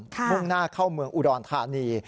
มุ่งหน้าเข้าเมืองอุดรธานี